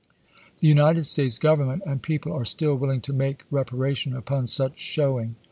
The United States Government and people are still willing to make reparation upon such showing.